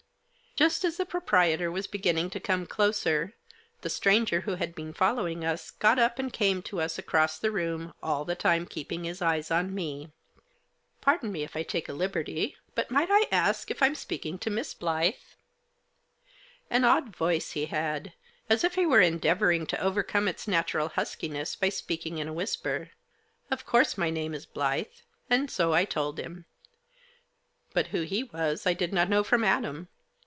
Just as the proprietor was beginning to come closer, the stranger who had been following us got up and came to us across the room, all the time keeping his eyes on me. " Pardon me if I take a liberty, but might I ask if I'm speaking to Miss Blyth ?" An odd voice he had ; as if he were endeavouring to overcome its natural huskiness by speaking in a whisper. Of course my name is Blyth, and so I told him. But who he was I did not know from Adam.